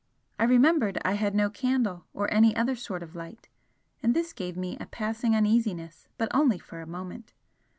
I remembered I had no candle or any other sort of light and this gave me a passing uneasiness, but only for a moment.